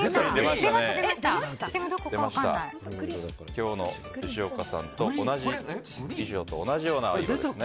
今日の吉岡さんの衣装と同じような色ですね。